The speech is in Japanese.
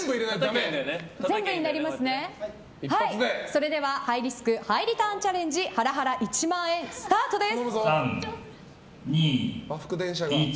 それではハイリスクハイリターンチャレンジハラハラ１万円スタートです。